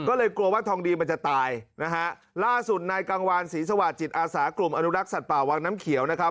ก็เลยกลัวว่าทองดีมันจะตายนะฮะล่าสุดนายกังวานศรีสวาสจิตอาสากลุ่มอนุรักษ์สัตว์ป่าวังน้ำเขียวนะครับ